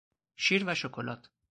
شیر و شکلات